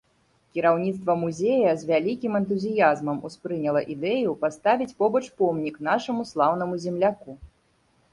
Кіраўніцтва музея з вялікім энтузіязмам успрыняла ідэю паставіць побач помнік нашаму слаўнаму земляку.